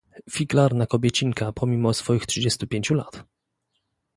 "Figlarna kobiecinka pomimo swoich trzydziestu pięciu lat!..."